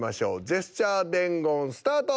ジェスチャー伝言スタート。